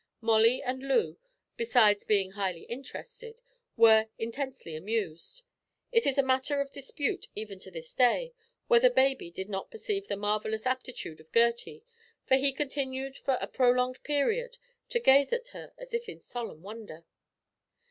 Molly and Loo, besides being highly interested, were intensely amused. It is a matter of dispute even to this day whether baby did not perceive the marvellous aptitude of Gertie, for he continued for a prolonged period to gaze at her as if in solemn wonder.